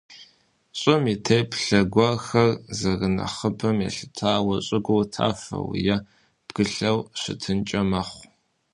ЩӀым и теплъэ гуэрхэр зэрынэхъыбэм елъытауэ щӀыгур тафэу е бгылъэу щытынкӀэ мэхъу.